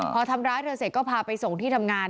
พอทำร้ายเธอเสร็จก็พาไปส่งที่ทำงาน